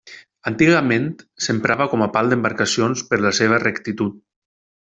Antigament s'emprava com a pal d'embarcacions per la seva rectitud.